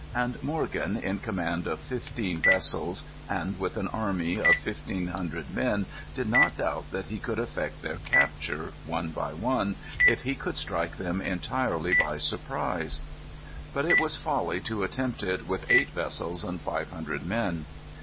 And Morgan, in command of fifteen vessels, and with an army of fifteen hundred men did not doubt that he could effect their capture, one by one, if he could strike them entirely by surprise. But it was folly to attempt it with eight vessels and five hundred men.